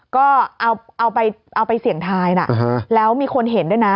ก็เอาไปเสี่ยงทายนะแล้วมีคนเห็นด้วยนะ